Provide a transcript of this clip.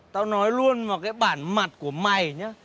tao nói luôn vào cái bản mặt của mày nhá